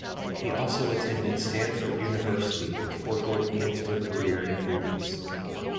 He also attended Stanford University before going into a career in movies.